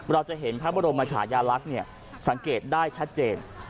เราจะเห็นพระบรมชายาลักษณ์สังเกตได้ชัดเจน